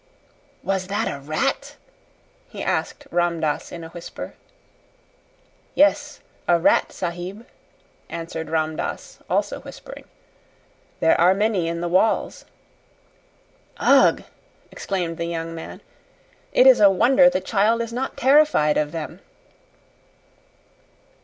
"Was that a rat?" he asked Ram Dass in a whisper. "Yes; a rat, Sahib," answered Ram Dass, also whispering. "There are many in the walls." "Ugh!" exclaimed the young man. "It is a wonder the child is not terrified of them."